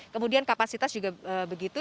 kemudian kapasitas juga begitu